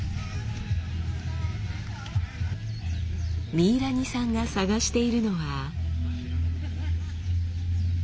ミイラニさんが探しているのは。